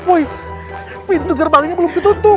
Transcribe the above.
woy pintu gerbangnya belum ketutup